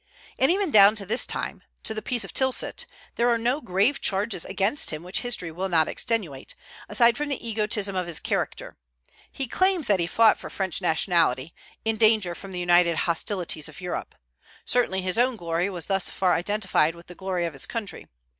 And even down to this time to the peace of Tilsit there are no grave charges against him which history will not extenuate, aside from the egotism of his character. He claims that he fought for French nationality, in danger from the united hostilities of Europe. Certainly his own glory was thus far identified with the glory of his country.